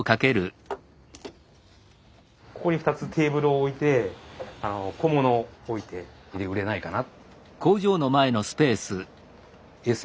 ここに２つテーブルを置いて小物を置いて売れないかな。